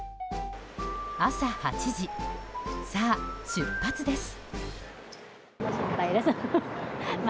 朝８時、さあ出発です。